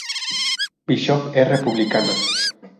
Bishop es republicana.